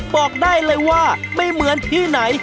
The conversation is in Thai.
บอกได้เลยว่าไม่เหมือนที่ไหน